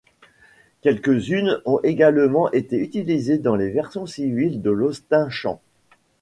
Quelques-unes ont également été utilisées dans des versions civiles de l'Austin Champ.